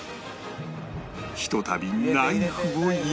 ひとたびナイフを入れれば